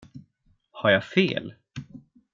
Har jag fel?